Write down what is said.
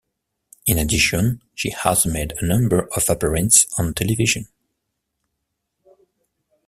In addition, she has made a number of appearances on television.